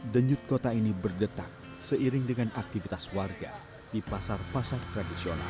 denyut kota ini berdetak seiring dengan aktivitas warga di pasar pasar tradisional